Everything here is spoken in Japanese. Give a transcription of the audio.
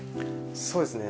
そうですね。